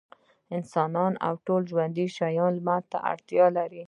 انسانان او ټول ژوندي شيان لمر ته اړتيا لري.